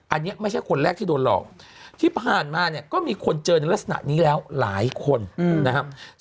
อันนี้ไม่ใช่คนแรกที่โดนหลอกที่ผ่านมาเนี่ยก็มีคนเจอในลักษณะนี้แล้วหลายคนนะครับ